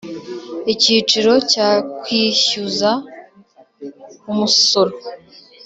Icyiciro cya Kwishyuza umusoro